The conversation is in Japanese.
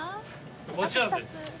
もちろんです。